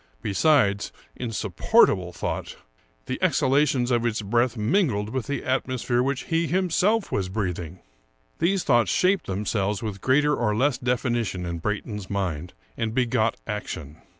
Be sides — insupportable thought !— the exhalations of its breath mingled with the atmosphere which he himself was breathing! These thoughts shaped themselves with greater or less definition in Brayton's mind, and begot action.